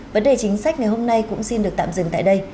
vấn đề chính sách ngày hôm nay cũng xin được tạm dừng tại đây